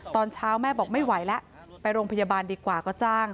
ตอนเช้าแม่บอกไม่ไหวแล้วไปโรงพยาบาลดีกว่าก็จ้าง